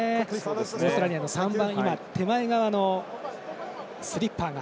オーストラリアの３番手前側のスリッパーが。